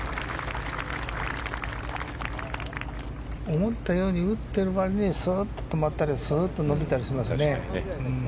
思ったように打ってる割にはすっと止まったりすっと伸びたりしますね。